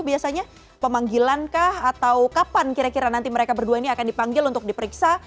biasanya pemanggilankah atau kapan kira kira nanti mereka berdua ini akan dipanggil untuk diperiksa